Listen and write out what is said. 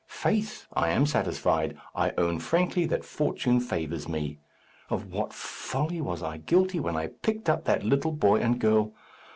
Faith, I am satisfied. I own frankly that fortune favours me. Of what folly was I guilty when I picked up that little boy and girl!